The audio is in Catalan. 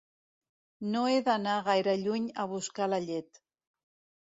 No ha d'anar gaire lluny a buscar la llet.